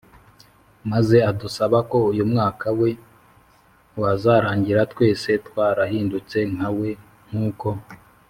maze adusaba ko uyu mwaka we, wazarangira twese twarahindutse nkawe. nk’uko